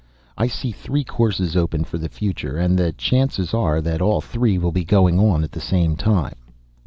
I see three courses open for the future, and the chances are that all three will be going on at the same time.